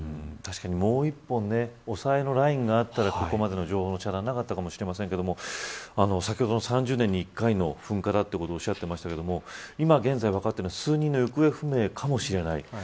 確かに、もう１本抑えのラインがあったらここまでの情報の遮断はまだなかったかもしれませんが先ほど、３０年に１回の噴火だとおっしゃっていましたが今、現在分かってるのは３人が行方不明かもしれない。